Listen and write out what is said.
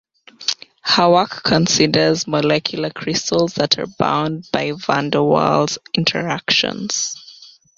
Her work considers molecular crystals that are bound by Van der Waals interactions.